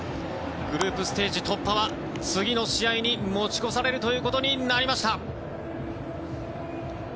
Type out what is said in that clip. グループステージ突破は次の試合に持ち越されることになりました。